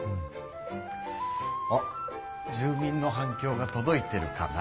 あ住民の反きょうがとどいてるかな。